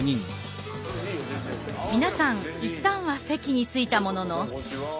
皆さん一旦は席に着いたものの。